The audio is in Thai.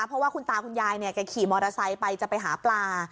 เพราะว่าคุณตาคุณยายแก่ขี่มอเตอรอไซน์ไปหาปลา